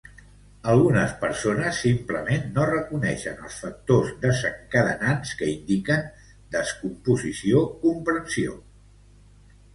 Algunes persones simplement no reconeixen els factors desencadenants que indiquen descomposició comprensió.